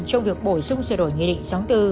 trong việc bổ sung sửa đổi nghị định sáu mươi bốn